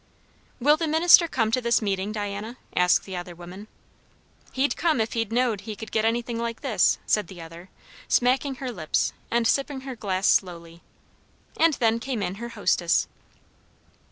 "Will the minister come to the meeting, Diana?" asked the other woman. "He'd come, if he knowed he could get anything like this," said the other, smacking her lips and sipping her glass slowly. And then came in her hostess.